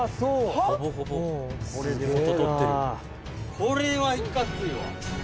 「これは、いかついわ」